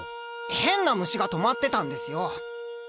変な虫がとまってたんですよ。